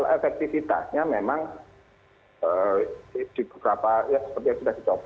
efektivitasnya memang di beberapa yang seperti itu